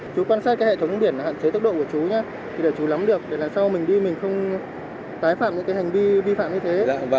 chú quan sát hệ thống biển hạn chế tốc độ của chú nhé để chú lắm được để sau mình đi mình không tái phạm những hành vi vi phạm như thế